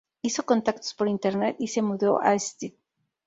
Hizo contactos por Internet y se mudó a St.